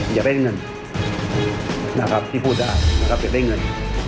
อย่าได้เงินพูดจากอย่าได้เงิน